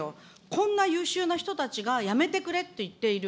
こんな優秀な人たちがやめてくれって言っている。